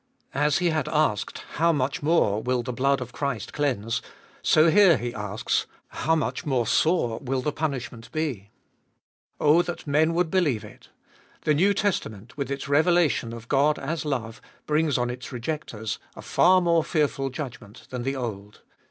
As he had asked " How much more will the blood of Christ cleanse ?" so here he asks, " How much more sore will the punishment be ?" Oh that men would believe it ; the New Testament, with its revelation of God as love, brings on its rejectors a far more fear ful judgment than the Old.